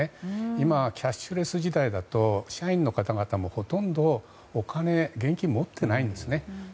今、キャッシュレス時代だと社員の方々もほとんど現金を持っていないんですね。